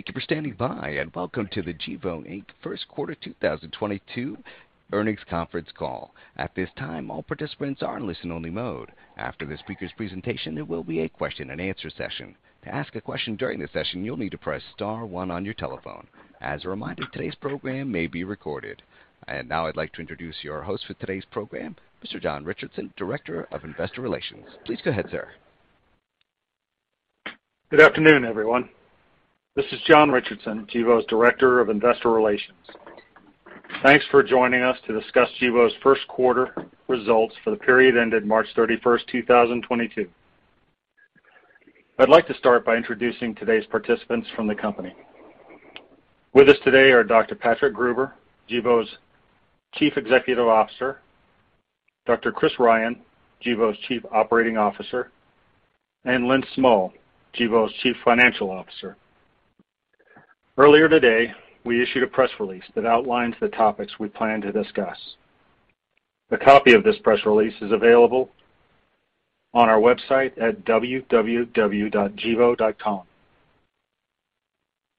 Thank you for standing by, and welcome to the Gevo, Inc. first quarter 2022 earnings conference call. At this time, all participants are in listen-only mode. After the speaker's presentation, there will be a question-and-answer session. To ask a question during the session, you'll need to press star one on your telephone. As a reminder, today's program may be recorded. Now I'd like to introduce your host for today's program, Mr. John Richardson, Director of Investor Relations. Please go ahead, sir. Good afternoon, everyone. This is John Richardson, Gevo's Director of Investor Relations. Thanks for joining us to discuss Gevo's first quarter results for the period ended March 31st, 2022. I'd like to start by introducing today's participants from the company. With us today are Dr. Patrick Gruber, Gevo's Chief Executive Officer, Dr. Chris Ryan, Gevo's Chief Operating Officer, and Lynn Smull, Gevo's Chief Financial Officer. Earlier today, we issued a press release that outlines the topics we plan to discuss. A copy of this press release is available on our website at www.gevo.com.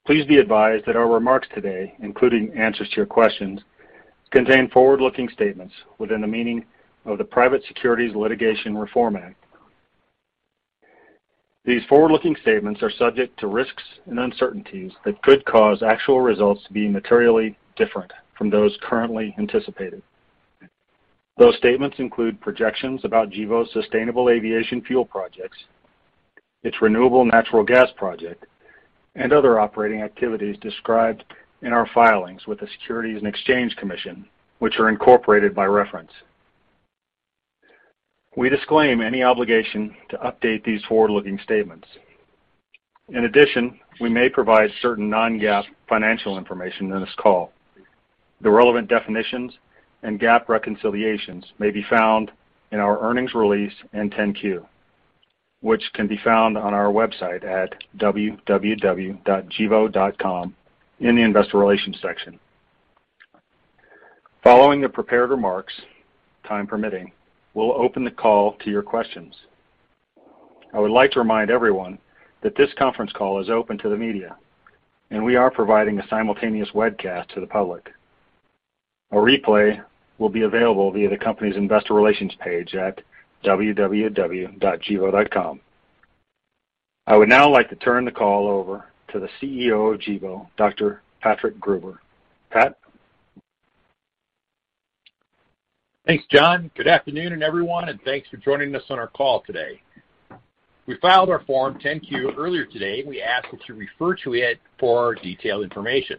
Please be advised that our remarks today, including answers to your questions, contain forward-looking statements within the meaning of the Private Securities Litigation Reform Act. These forward-looking statements are subject to risks and uncertainties that could cause actual results to be materially different from those currently anticipated. Those statements include projections about Gevo's sustainable aviation fuel projects, its renewable natural gas project, and other operating activities described in our filings with the Securities and Exchange Commission, which are incorporated by reference. We disclaim any obligation to update these forward-looking statements. In addition, we may provide certain Non-GAAP financial information in this call. The relevant definitions and GAAP reconciliations may be found in our earnings release and 10-Q, which can be found on our website at www.gevo.com in the investor relations section. Following the prepared remarks, time permitting, we'll open the call to your questions. I would like to remind everyone that this conference call is open to the media, and we are providing a simultaneous webcast to the public. A replay will be available via the company's investor relations page at www.gevo.com. I would now like to turn the call over to the Chief Executive Officer of Gevo, Dr. Patrick Gruber. Pat? Thanks, John. Good afternoon, everyone, and thanks for joining us on our call today. We filed our 10-Q earlier today. We ask that you refer to it for our detailed information.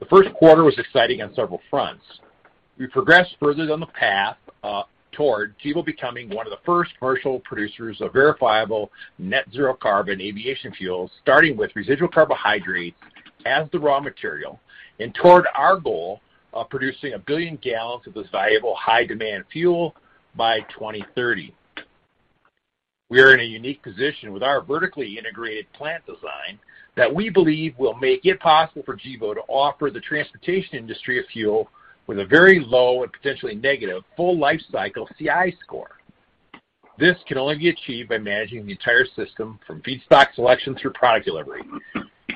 The first quarter was exciting on several fronts. We progressed further down the path toward Gevo becoming one of the first commercial producers of verifiable net-zero carbon aviation fuels, starting with residual carbohydrates as the raw material, and toward our goal of producing one billion gallons of this valuable high demand fuel by 2030. We are in a unique position with our vertically integrated plant design that we believe will make it possible for Gevo to offer the transportation industry a fuel with a very low and potentially negative full lifecycle CI score. This can only be achieved by managing the entire system from feedstock selection through product delivery.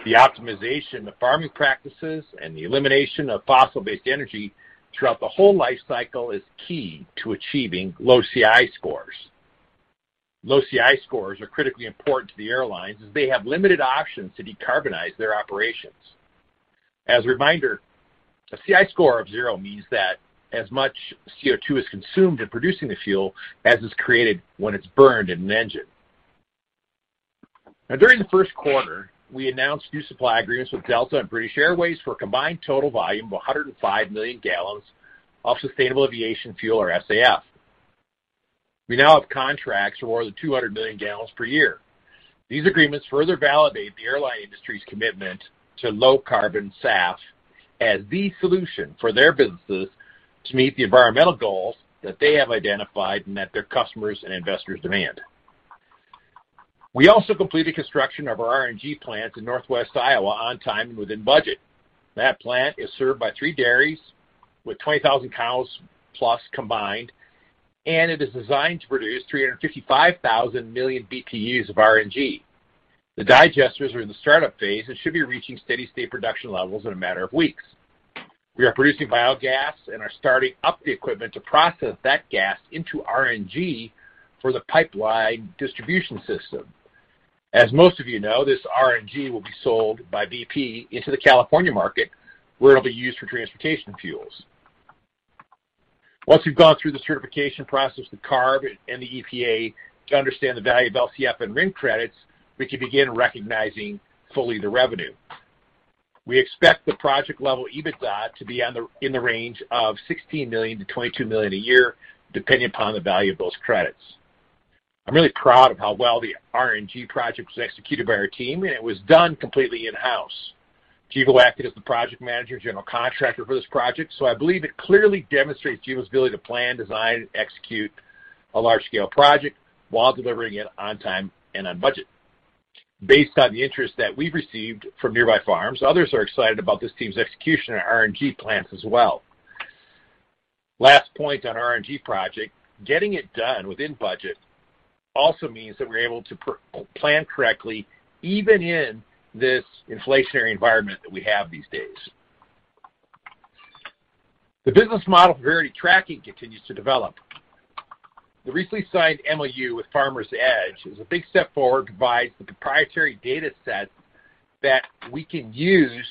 The optimization of farming practices and the elimination of fossil-based energy throughout the whole life cycle is key to achieving low CI scores. Low CI scores are critically important to the airlines as they have limited options to decarbonize their operations. As a reminder, a CI score of zero means that as much CO₂ is consumed in producing the fuel as is created when it's burned in an engine. Now during the first quarter, we announced new supply agreements with Delta and British Airways for a combined total volume of 105 million gallons of sustainable aviation fuel or SAF. We now have contracts for more than 200 million gallons per year. These agreements further validate the airline industry's commitment to low carbon SAF as the solution for their businesses to meet the environmental goals that they have identified and that their customers and investors demand. We also completed construction of our RNG plant in Northwest Iowa on time and within budget. That plant is served by three dairies with 20,000 cows+ combined, and it is designed to produce 355 million BTUs of RNG. The digesters are in the startup phase and should be reaching steady state production levels in a matter of weeks. We are producing biogas and are starting up the equipment to process that gas into RNG for the pipeline distribution system. As most of you know, this RNG will be sold by BP into the California market, where it'll be used for transportation fuels. Once we've gone through the certification process with CARB and the EPA to understand the value of LCFS and RIN credits, we can begin recognizing fully the revenue. We expect the project level EBITDA to be in the range of $16 million-$22 million a year, depending upon the value of those credits. I'm really proud of how well the RNG project was executed by our team, and it was done completely in-house. Gevo acted as the project manager and general contractor for this project, so I believe it clearly demonstrates Gevo's ability to plan, design, and execute a large scale project while delivering it on time and on budget. Based on the interest that we've received from nearby farms, others are excited about this team's execution of our RNG plants as well. Last point on our RNG project, getting it done within budget also means that we're able to plan correctly even in this inflationary environment that we have these days. The business model for Verity Tracking continues to develop. The recently signed MOU with Farmers Edge is a big step forward to provide the proprietary data set that we can use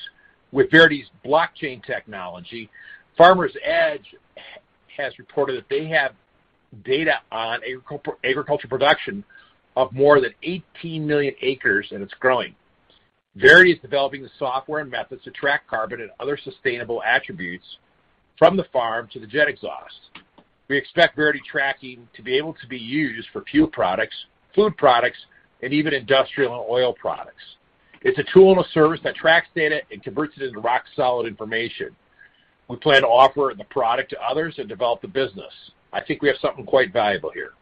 with Verity's blockchain technology. Farmers Edge has reported that they have data on agriculture production of more than 18 million acres, and it's growing. Verity is developing the software and methods to track carbon and other sustainable attributes from the farm to the jet exhaust. We expect Verity Tracking to be able to be used for fuel products, food products, and even industrial and oil products. It's a tool and a service that tracks data and converts it into rock-solid information. We plan to offer the product to others and develop the business. I think we have something quite valuable here.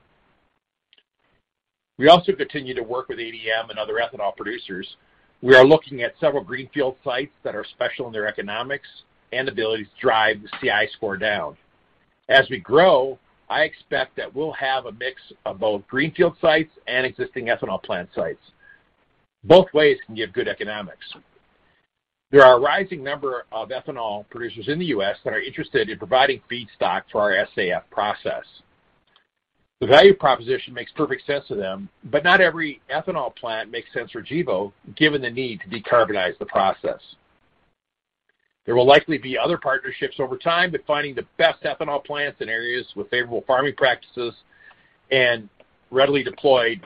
We also continue to work with ADM and other ethanol producers. We are looking at several greenfield sites that are special in their economics and ability to drive the CI score down. As we grow, I expect that we'll have a mix of both greenfield sites and existing ethanol plant sites. Both ways can give good economics. There are a rising number of ethanol producers in the U.S. that are interested in providing feedstock for our SAF process. The value proposition makes perfect sense to them, but not every ethanol plant makes sense for Gevo, given the need to decarbonize the process. There will likely be other partnerships over time, but finding the best ethanol plants in areas with favorable farming practices and readily deployed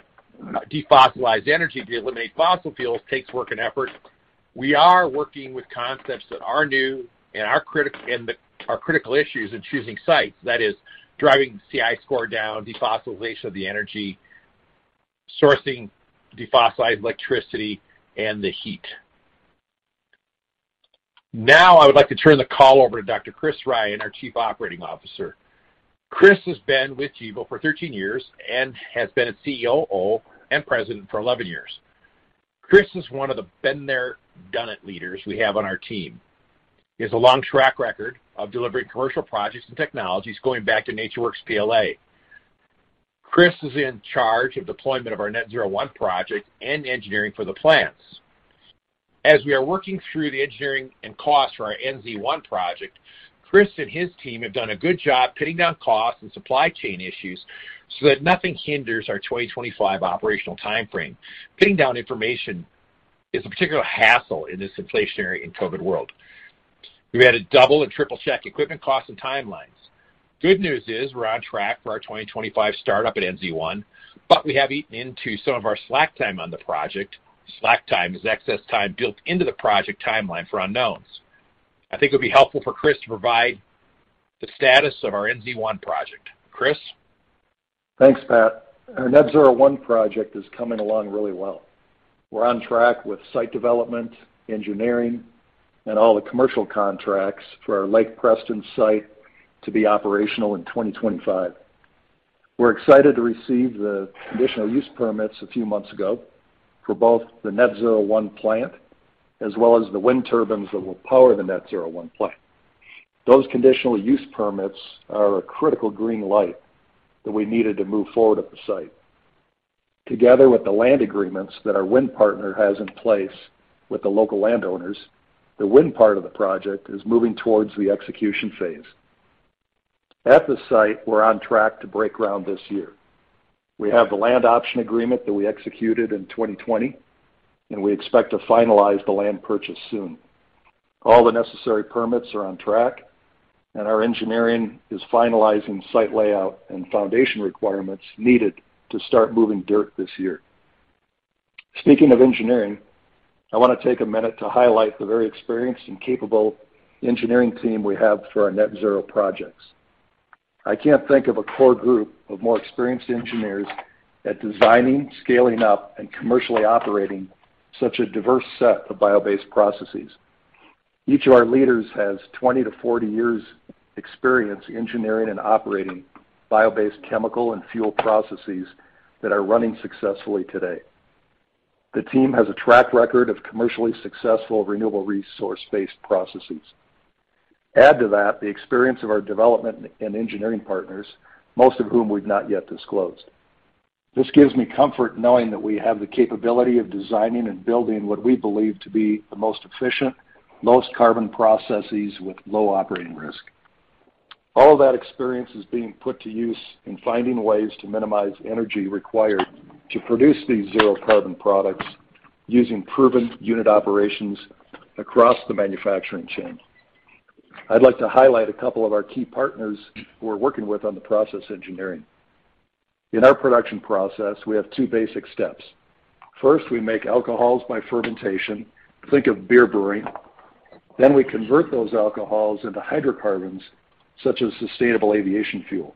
defossilized energy to eliminate fossil fuels takes work and effort. We are working with concepts that are new and are critical issues in choosing sites, that is, driving CI score down, defossilization of the energy, sourcing defossilized electricity, and the heat. Now, I would like to turn the call over to Dr. Chris Ryan, our Chief Operating Officer. Chris has been with Gevo for 13 years and has been its Chief Operating Officer and President for 11 years. Chris is one of the been-there-done-it leaders we have on our team. He has a long track record of delivering commercial projects and technologies going back to NatureWorks PLA. Chris is in charge of deployment of our Net-Zero One project and engineering for the plants. As we are working through the engineering and costs for our NZ1 project, Chris and his team have done a good job pinning down costs and supply chain issues so that nothing hinders our 2025 operational timeframe. Pinning down information is a particular hassle in this inflationary and COVID world. We've had to double and triple-check equipment costs and timelines. Good news is we're on track for our 2025 startup at NZ1, but we have eaten into some of our slack time on the project. Slack time is excess time built into the project timeline for unknowns. I think it would be helpful for Chris to provide the status of our NZ1 project. Chris? Thanks, Pat. Our Net-Zero 1 project is coming along really well. We're on track with site development, engineering, and all the commercial contracts for our Lake Preston site to be operational in 2025. We're excited to receive the conditional use permits a few months ago for both the Net-Zero 1 plant as well as the wind turbines that will power the Net-Zero 1 plant. Those conditional use permits are a critical green light that we needed to move forward at the site. Together with the land agreements that our wind partner has in place with the local landowners, the wind part of the project is moving towards the execution phase. At the site, we're on track to break ground this year. We have the land option agreement that we executed in 2020, and we expect to finalize the land purchase soon. All the necessary permits are on track, and our engineering is finalizing site layout and foundation requirements needed to start moving dirt this year. Speaking of engineering, I wanna take a minute to highlight the very experienced and capable engineering team we have for our Net-Zero projects. I can't think of a core group of more experienced engineers at designing, scaling up, and commercially operating such a diverse set of biobased processes. Each of our leaders has 20 years-40 years' experience engineering and operating biobased chemical and fuel processes that are running successfully today. The team has a track record of commercially successful renewable resource-based processes. Add to that the experience of our development and engineering partners, most of whom we've not yet disclosed. This gives me comfort knowing that we have the capability of designing and building what we believe to be the most efficient, lowest carbon processes with low operating risk. All of that experience is being put to use in finding ways to minimize energy required to produce these zero carbon products using proven unit operations across the manufacturing chain. I'd like to highlight a couple of our key partners who we're working with on the process engineering. In our production process, we have two basic steps. First, we make alcohols by fermentation. Think of beer brewing. Then we convert those alcohols into hydrocarbons, such as sustainable aviation fuel.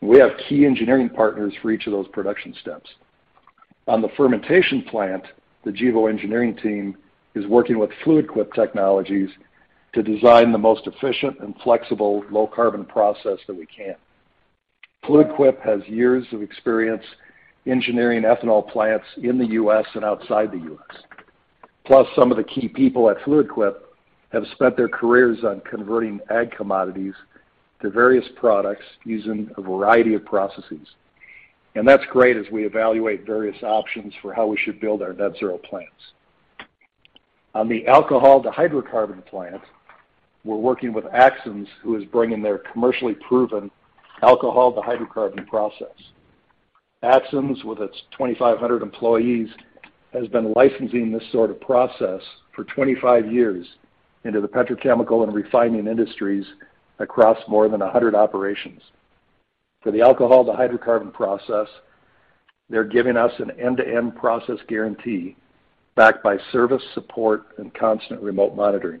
We have key engineering partners for each of those production steps. On the fermentation plant, the Gevo engineering team is working with Fluid Quip Technologies to design the most efficient and flexible low-carbon process that we can. Fluid Quip has years of experience engineering ethanol plants in the U.S. and outside the U.S. Plus, some of the key people at Fluid Quip have spent their careers on converting ag commodities to various products using a variety of processes. That's great as we evaluate various options for how we should build our Net-Zero plants. On the alcohol-to-hydrocarbon plant, we're working with Axens, who is bringing their commercially proven alcohol-to-hydrocarbon process. Axens, with its 2,500 employees, has been licensing this sort of process for 25 years into the petrochemical and refining industries across more than 100 operations. For the alcohol to hydrocarbon process, they're giving us an end-to-end process guarantee backed by service support and constant remote monitoring.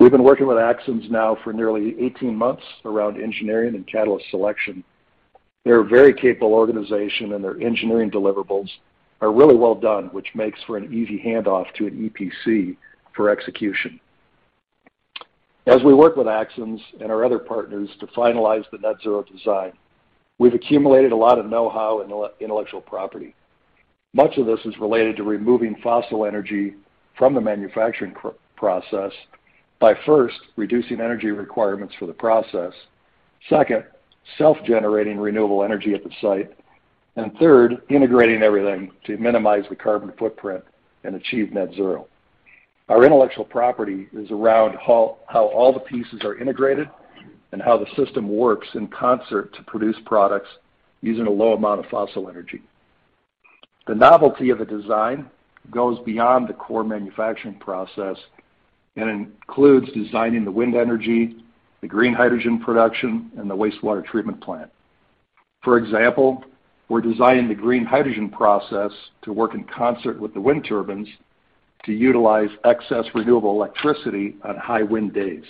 We've been working with Axens now for nearly 18 months around engineering and catalyst selection. They're a very capable organization, and their engineering deliverables are really well done, which makes for an easy handoff to an EPC for execution. As we work with Axens and our other partners to finalize the Net-Zero design, we've accumulated a lot of know-how in the intellectual property. Much of this is related to removing fossil energy from the manufacturing process by, first, reducing energy requirements for the process. Second, self-generating renewable energy at the site. Third, integrating everything to minimize the carbon footprint and achieve Net-Zero. Our intellectual property is around how all the pieces are integrated and how the system works in concert to produce products using a low amount of fossil energy. The novelty of a design goes beyond the core manufacturing process and includes designing the wind energy, the green hydrogen production, and the wastewater treatment plant. For example, we're designing the green hydrogen process to work in concert with the wind turbines to utilize excess renewable electricity on high wind days.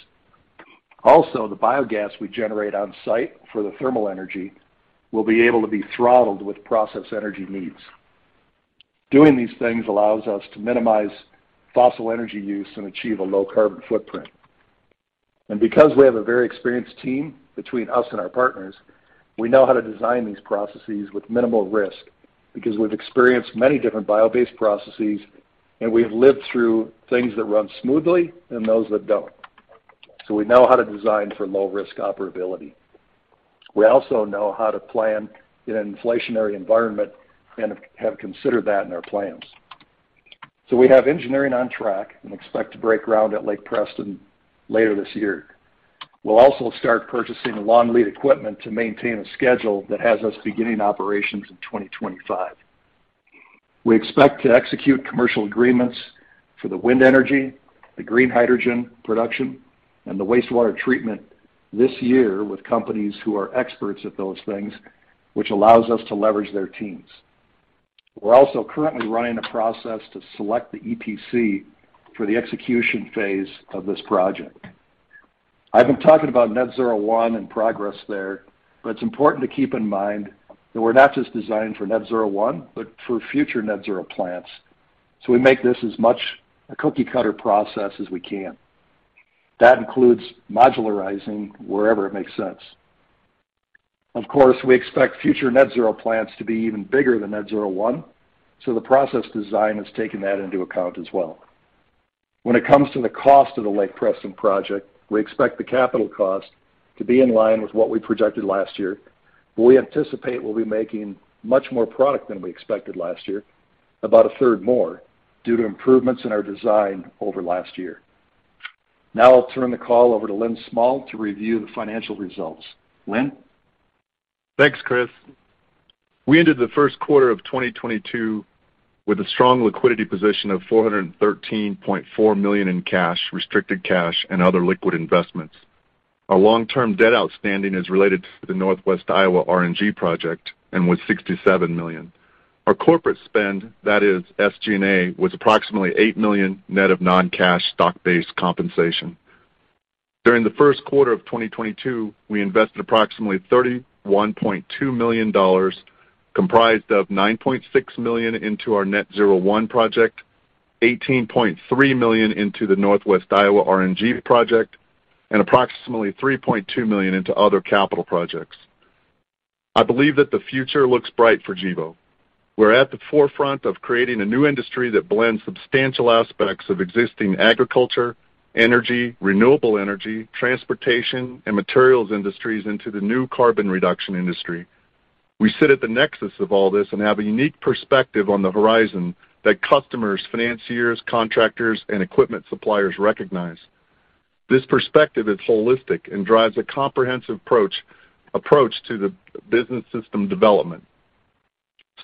Also, the biogas we generate on-site for the thermal energy will be able to be throttled with process energy needs. Doing these things allows us to minimize fossil energy use and achieve a low carbon footprint. Because we have a very experienced team between us and our partners, we know how to design these processes with minimal risk because we've experienced many different bio-based processes, and we've lived through things that run smoothly and those that don't. We know how to design for low risk operability. We also know how to plan in an inflationary environment and have considered that in our plans. We have engineering on track and expect to break ground at Lake Preston later this year. We'll also start purchasing the long lead equipment to maintain a schedule that has us beginning operations in 2025. We expect to execute commercial agreements for the wind energy, the green hydrogen production, and the wastewater treatment this year with companies who are experts at those things, which allows us to leverage their teams. We're also currently running a process to select the EPC for the execution phase of this project. I've been talking about Net-Zero 1 and progress there, but it's important to keep in mind that we're not just designing for Net-Zero 1, but for future Net-Zero plants. We make this as much a cookie-cutter process as we can. That includes modularizing wherever it makes sense. Of course, we expect future Net-Zero plants to be even bigger than Net-Zero 1, so the process design has taken that into account as well. When it comes to the cost of the Lake Preston project, we expect the capital cost to be in line with what we projected last year. We anticipate we'll be making much more product than we expected last year, about a third more, due to improvements in our design over last year. Now I'll turn the call over to Lynn Smull to review the financial results. Lynn. Thanks, Chris. We ended the first quarter of 2022 with a strong liquidity position of $413.4 million in cash, restricted cash, and other liquid investments. Our long-term debt outstanding is related to the Northwest Iowa RNG project and was $67 million. Our corporate spend, that is SG&A, was approximately $8 million net of non-cash stock-based compensation. During the first quarter of 2022, we invested approximately $31.2 million, comprised of $9.6 million into our Net-Zero 1 project, $18.3 million into the Northwest Iowa RNG project, and approximately $3.2 million into other capital projects. I believe that the future looks bright for Gevo. We're at the forefront of creating a new industry that blends substantial aspects of existing agriculture, energy, renewable energy, transportation, and materials industries into the new carbon reduction industry. We sit at the nexus of all this and have a unique perspective on the horizon that customers, financiers, contractors, and equipment suppliers recognize. This perspective is holistic and drives a comprehensive approach to the business system development.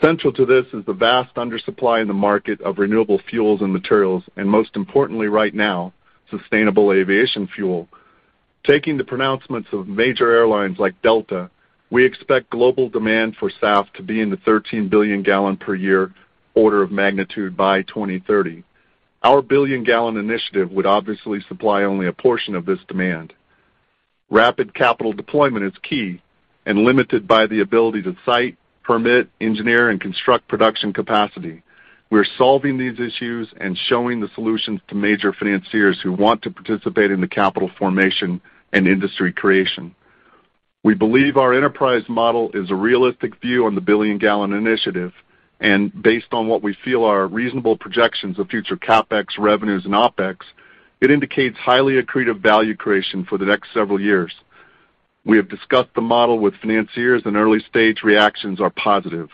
Central to this is the vast undersupply in the market of renewable fuels and materials, and most importantly right now, sustainable aviation fuel. Taking the pronouncements of major airlines like Delta, we expect global demand for SAF to be in the 13 billion gallon per year order of magnitude by 2030. Our 1 billion gallon initiative would obviously supply only a portion of this demand. Rapid capital deployment is key and limited by the ability to site, permit, engineer, and construct production capacity. We're solving these issues and showing the solutions to major financiers who want to participate in the capital formation and industry creation. We believe our enterprise model is a realistic view on the billion gallon initiative. Based on what we feel are reasonable projections of future CapEx revenues and OpEx, it indicates highly accretive value creation for the next several years. We have discussed the model with financiers, and early stage reactions are positive.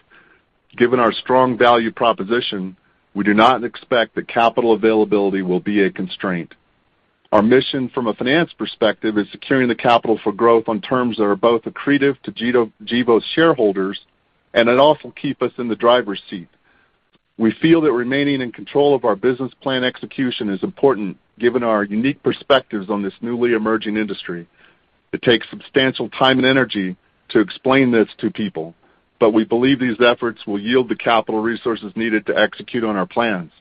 Given our strong value proposition, we do not expect that capital availability will be a constraint. Our mission from a finance perspective is securing the capital for growth on terms that are both accretive to Gevo's shareholders, and it also keep us in the driver's seat. We feel that remaining in control of our business plan execution is important given our unique perspectives on this newly emerging industry. It takes substantial time and energy to explain this to people, but we believe these efforts will yield the capital resources needed to execute on our plans.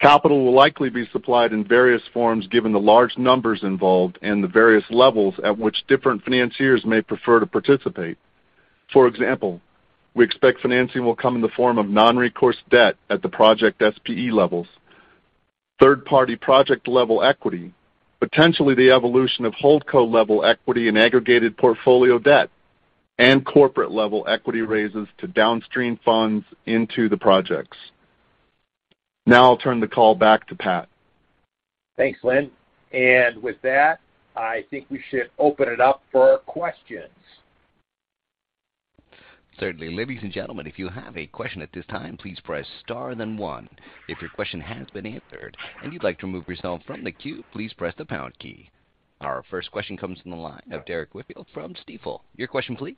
Capital will likely be supplied in various forms given the large numbers involved and the various levels at which different financiers may prefer to participate. For example, we expect financing will come in the form of non-recourse debt at the project SPE levels, third-party project level equity, potentially the evolution of holdco level equity and aggregated portfolio debt, and corporate level equity raises to downstream funds into the projects. Now I'll turn the call back to Pat. Thanks, Lynn. With that, I think we should open it up for questions. Certainly. Ladies and gentlemen, if you have a question at this time, please press star then one. If your question has been answered and you'd like to remove yourself from the queue, please press the pound key. Our first question comes from the line of Derrick Whitfield from Stifel. Your question please.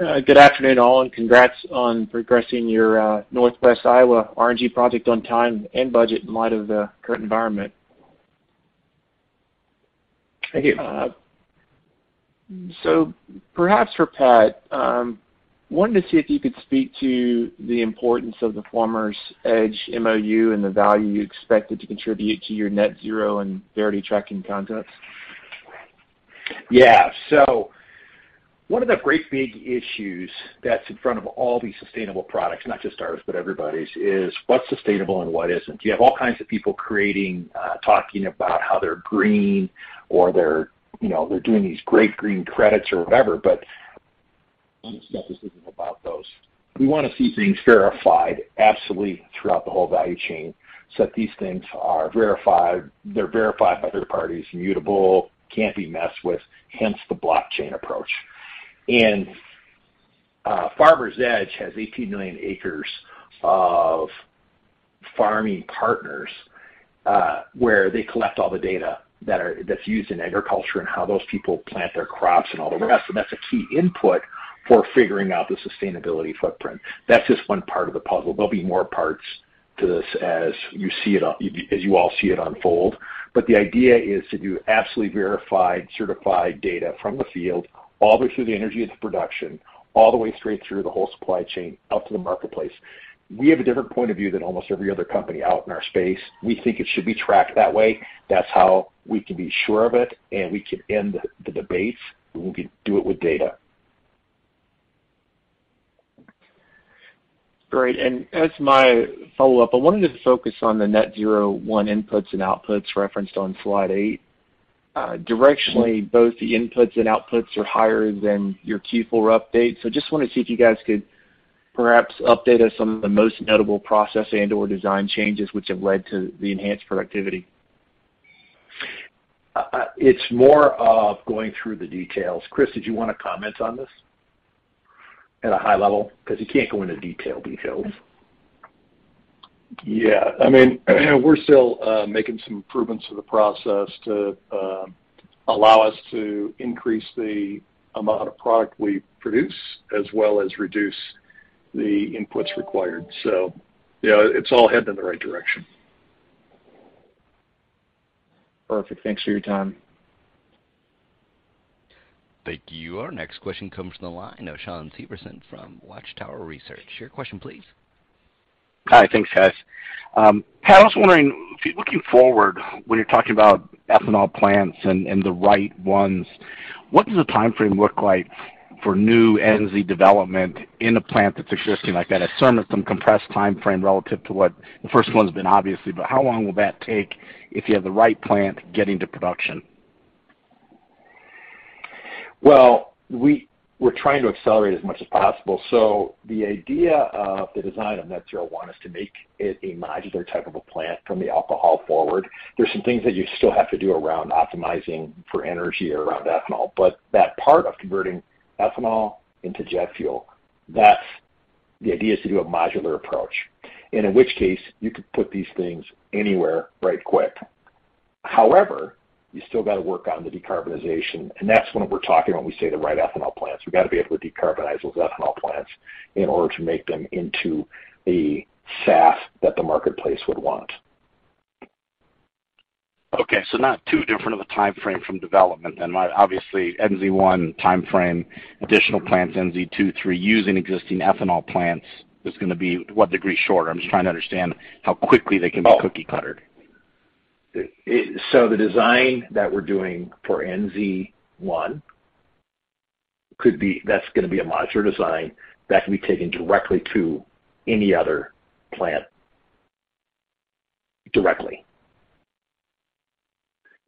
Good afternoon, all, and congrats on progressing your Northwest Iowa RNG project on time and budget in light of the current environment. Thank you. Perhaps for Pat, wanted to see if you could speak to the importance of the Farmers Edge Memorandum of Understanding and the value you expect it to contribute to your Net-Zero and Verity Tracking contents. Yeah. One of the great big issues that's in front of all these sustainable products, not just ours, but everybody's, is what's sustainable and what isn't. You have all kinds of people creating, talking about how they're green or they're, you know, they're doing these great green credits or whatever. Skepticism about those. We wanna see things verified absolutely throughout the whole value chain, so that these things are verified. They're verified by third parties, immutable, can't be messed with, hence the blockchain approach. Farmers Edge has 18 million acres of farming partners, where they collect all the data that's used in agriculture and how those people plant their crops and all the rest. That's a key input for figuring out the sustainability footprint. That's just one part of the puzzle. There'll be more parts to this as you all see it unfold. The idea is to do absolutely verified, certified data from the field all the way through the energy of the production, all the way straight through the whole supply chain out to the marketplace. We have a different point of view than almost every other company out in our space. We think it should be tracked that way. That's how we can be sure of it, and we can end the debates, and we can do it with data. Great. As my follow-up, I wanted to focus on the Net-Zero 1 inputs and outputs referenced on slide 8. Directionally, both the inputs and outputs are higher than your Q4 update. Just wanna see if you guys could perhaps update us on the most notable process and/or design changes which have led to the enhanced productivity. It's more of going through the details. Chris, did you wanna comment on this at a high level? 'Cause you can't go into detailed details. Yeah. I mean, we're still making some improvements to the process to allow us to increase the amount of product we produce as well as reduce the inputs required. Yeah, it's all heading in the right direction. Perfect. Thanks for your time. Thank you. Our next question comes from the line of Shawn Severson from Water Tower Research. Your question please. Hi. Thanks, guys. Pat, I was wondering, looking forward, when you're talking about ethanol plants and the right ones, what does the timeframe look like for new NZ development in a plant that's existing like that? I assume it's some compressed timeframe relative to what the first one's been, obviously. How long will that take if you have the right plant getting to production? Well, we're trying to accelerate as much as possible. The idea of the design of Net-Zero 1 is to make it a modular type of a plant from the alcohol forward. There's some things that you still have to do around optimizing for energy around ethanol, but that part of converting ethanol into jet fuel, that's the idea is to do a modular approach, and in which case, you could put these things anywhere right quick. However, you still gotta work on the decarbonization, and that's when we're talking when we say the right ethanol plants. We gotta be able to decarbonize those ethanol plants in order to make them into a SAF that the marketplace would want. Okay. Not too different of a timeframe from development then. Obviously, NZ one timeframe, additional plants, NZ two through using existing ethanol plants is gonna be what degree shorter? I'm just trying to understand how quickly they can be cookie cutter. The design that we're doing for NZ1 is going to be a modular design that can be taken directly to any other plant. Directly.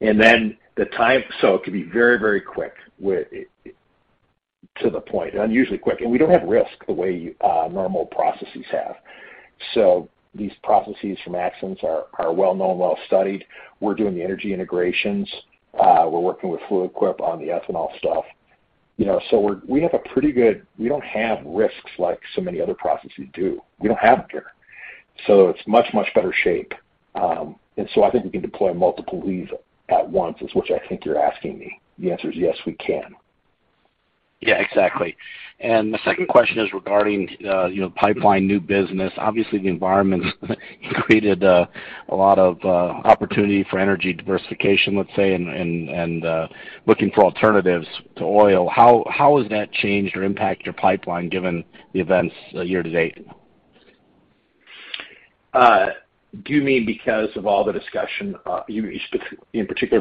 It could be very, very quick with it, to the point, unusually quick, and we don't have risk the way normal processes have. These processes from Axens are well-known, well-studied. We're doing the energy integrations. We're working with Fluid Quip on the ethanol stuff. You know, we don't have risks like so many other processes do. We don't have them here. It's much, much better shape. I think we can deploy multiple sites at once, which I think you're asking me. The answer is yes, we can. Yeah, exactly. The second question is regarding, you know, pipeline new business. Obviously, the environment created a lot of opportunity for energy diversification, let's say, and looking for alternatives to oil. How has that changed or impacted your pipeline given the events year to date? Do you mean because of all the discussion, you in particular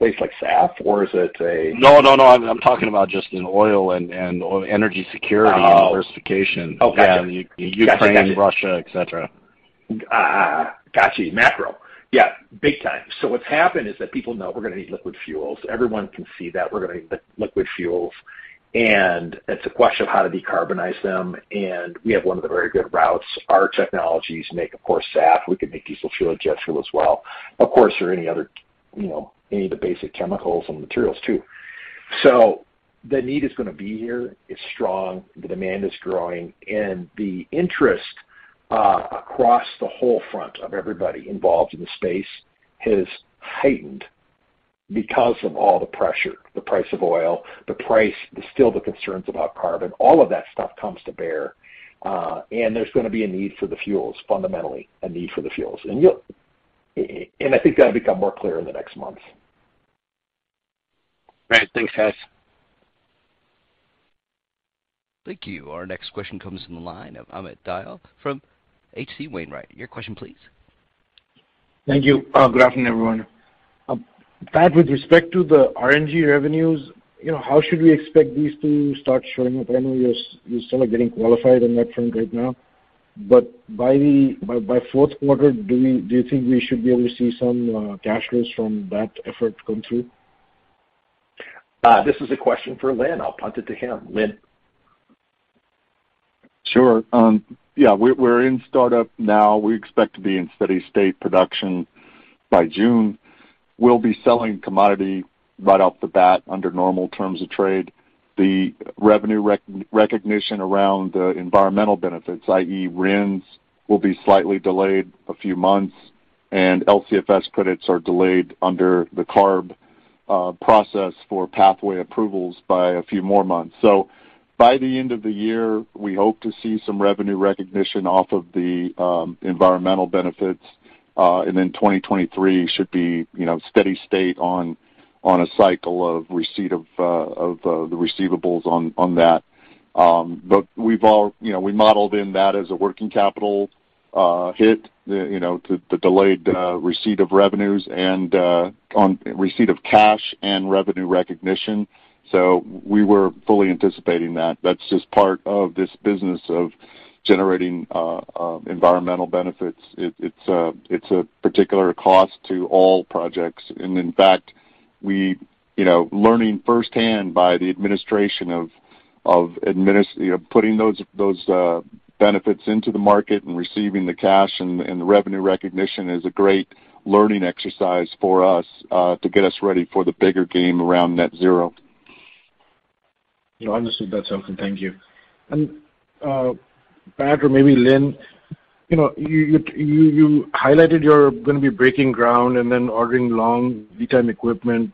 marketplace like SAF, or is it a- No. I'm talking about just in oil and energy security. Oh. diversification. Oh, got you. In Ukraine. Got you. Russia, et cetera. Got you. Macro. Yeah, big time. What's happened is that people know we're gonna need liquid fuels. Everyone can see that we're gonna need liquid fuels, and it's a question of how to decarbonize them, and we have one of the very good routes. Our technologies make, of course, SAF. We can make diesel fuel and jet fuel as well. Of course, there are any other, you know, any of the basic chemicals and materials too. The need is gonna be here. It's strong. The demand is growing, and the interest across the whole front of everybody involved in the space has heightened because of all the pressure, the price of oil, the price. Still the concerns about carbon. All of that stuff comes to bear, and there's gonna be a need for the fuels, fundamentally a need for the fuels. I think that'll become more clear in the next months. All right. Thanks, Pat. Thank you. Our next question comes from the line of Amit Dayal from H.C. Wainwright. Your question, please. Thank you. Good afternoon, everyone. Pat, with respect to the RNG revenues, you know, how should we expect these to start showing up? I know you're still getting qualified on that front right now. By fourth quarter, do you think we should be able to see some cash flows from that effort come through? This is a question for Lynn. I'll punt it to him. Lynn? Sure. Yeah, we're in startup now. We expect to be in steady state production by June. We'll be selling commodity right off the bat under normal terms of trade. The revenue recognition around the environmental benefits, i.e. RINs, will be slightly delayed a few months, and LCFS credits are delayed under the CARB process for pathway approvals by a few more months. By the end of the year, we hope to see some revenue recognition off of the environmental benefits, and then 2023 should be, you know, steady state on a cycle of receipt of the receivables on that. You know, we modeled in that as a working capital hit, you know, the delayed receipt of revenues and on receipt of cash and revenue recognition. We were fully anticipating that. That's just part of this business of generating environmental benefits. It's a particular cost to all projects. In fact, you know, learning firsthand by the administration of you know, putting those benefits into the market and receiving the cash and the revenue recognition is a great learning exercise for us to get us ready for the bigger game around net zero. You know, understood that, Sean. Thank you. Pat or maybe Lynn, you know, you highlighted you're gonna be breaking ground and then ordering long lead time equipment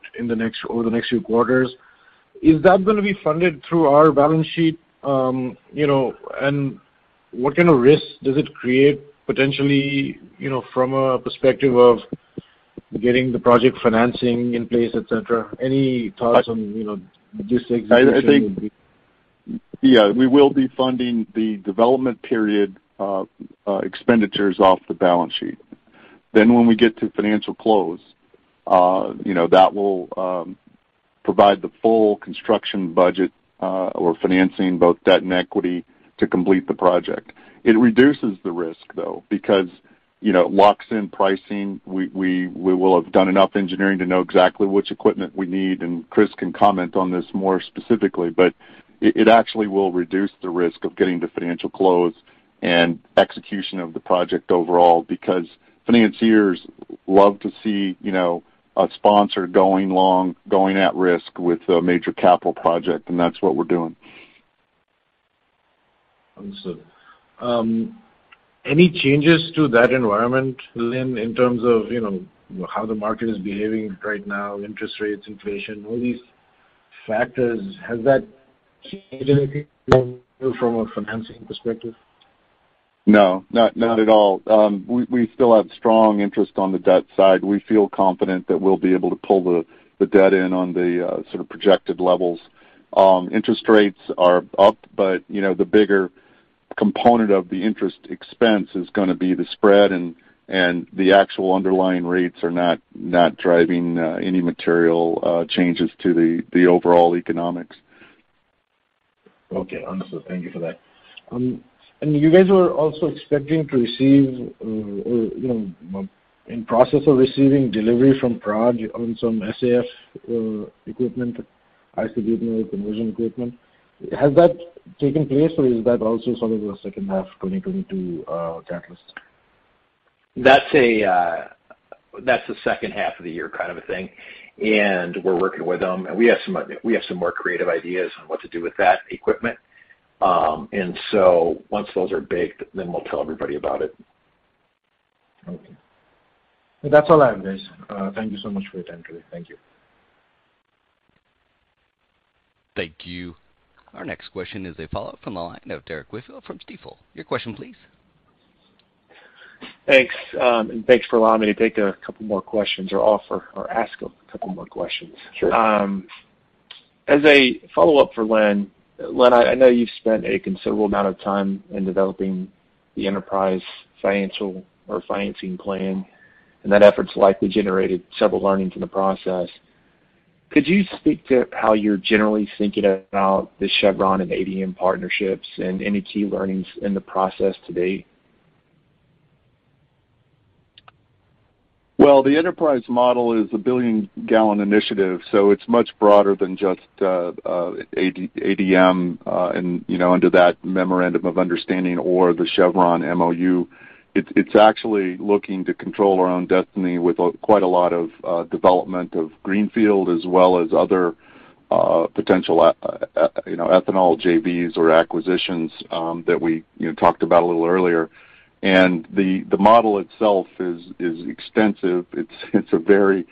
over the next few quarters. Is that gonna be funded through our balance sheet? You know, what kind of risk does it create potentially, you know, from a perspective of getting the project financing in place, et cetera? Any thoughts on, you know, this execution would be. I think yeah, we will be funding the development period expenditures off the balance sheet. When we get to financial close, you know, that will provide the full construction budget or financing both debt and equity to complete the project. It reduces the risk, though, because, you know, it locks in pricing. We will have done enough engineering to know exactly which equipment we need, and Chris can comment on this more specifically, but it actually will reduce the risk of getting to financial close and execution of the project overall because financiers love to see, you know, a sponsor going long, going at risk with a major capital project, and that's what we're doing. Understood. Any changes to that environment, Lynn, in terms of, you know, how the market is behaving right now, interest rates, inflation, all these factors? Has that changed anything from a financing perspective? No. Not at all. We still have strong interest on the debt side. We feel confident that we'll be able to pull the debt in on the sort of projected levels. Interest rates are up, but you know, the bigger component of the interest expense is gonna be the spread, and the actual underlying rates are not driving any material changes to the overall economics. Okay. Understood. Thank you for that. You guys were also expecting to receive, or, you know, in process of receiving delivery from Praj on some SAF equipment, ISG conversion equipment. Has that taken place or is that also sort of the second half of 2022 catalyst? That's the second half of the year kind of a thing. We're working with them. We have some more creative ideas on what to do with that equipment. Once those are baked, we'll tell everybody about it. Okay. That's all I have, guys. Thank you so much for your time today. Thank you. Thank you. Our next question is a follow-up from the line of Derrick Whitfield from Stifel. Your question please. Thanks. Thanks for allowing me to ask a couple more questions. Sure. As a follow-up for Lynn. Lynn, I know you've spent a considerable amount of time in developing the enterprise financial or financing plan, and that effort's likely generated several learnings in the process. Could you speak to how you're generally thinking about the Chevron and ADM partnerships and any key learnings in the process to date? The enterprise model is a 1 billion gallon initiative, so it's much broader than just ADM, and you know, under that memorandum of understanding or the Chevron Memorandum of Understanding. It's actually looking to control our own destiny with quite a lot of development of greenfield as well as other potential you know, ethanol JVs or acquisitions that we you know, talked about a little earlier. The model itself is extensive. It's a very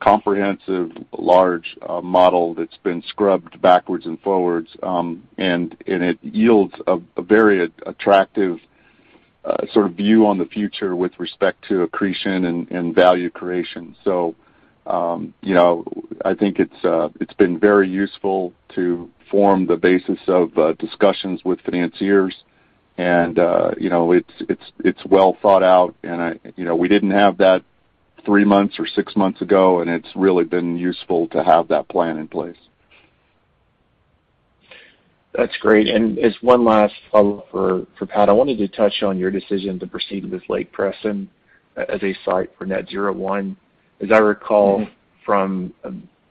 comprehensive, large model that's been scrubbed backwards and forwards. It yields a very attractive sort of view on the future with respect to accretion and value creation. You know, I think it's been very useful to form the basis of discussions with financiers and you know, it's well thought out. You know, we didn't have that three months or six months ago, and it's really been useful to have that plan in place. That's great. As one last follow-up for Pat, I wanted to touch on your decision to proceed with Lake Preston as a site for Net-Zero 1. As I recall from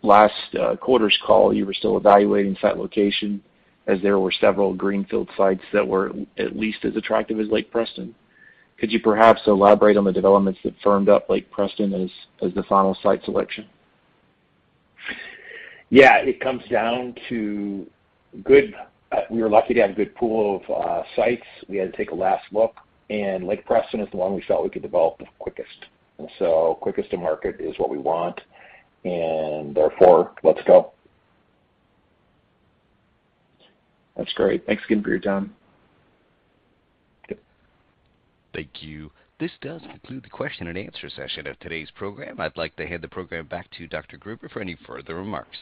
last quarter's call, you were still evaluating site location as there were several greenfield sites that were at least as attractive as Lake Preston. Could you perhaps elaborate on the developments that firmed up Lake Preston as the final site selection? Yeah. We were lucky to have a good pool of sites. We had to take a last look, and Lake Preston is the one we felt we could develop the quickest. Quickest to market is what we want and therefore, let's go. That's great. Thanks again for your time. Yep. Thank you. This does conclude the question and answer session of today's program. I'd like to hand the program back to Dr. Gruber for any further remarks.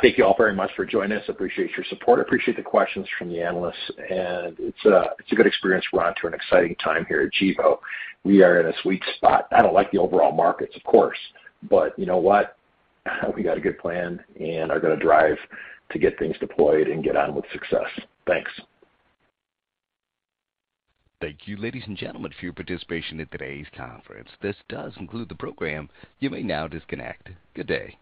Thank you all very much for joining us. Appreciate your support. Appreciate the questions from the analysts. It's a good experience. We're onto an exciting time here at Gevo. We are in a sweet spot. I don't like the overall markets, of course, but you know what? We got a good plan and are gonna drive to get things deployed and get on with success. Thanks. Thank you, ladies and gentlemen, for your participation in today's conference. This does conclude the program. You may now disconnect. Good day.